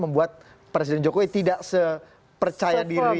membuat presiden jokowi tidak sepercaya diri